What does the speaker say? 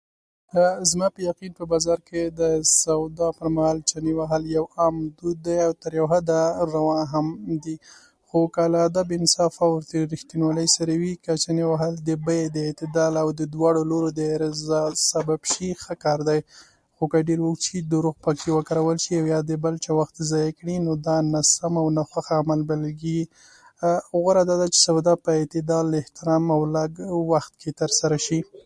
ايا تاسو تللي وئ